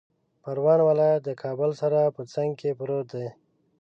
پروان ولایت د کابل سره په څنګ کې پروت دی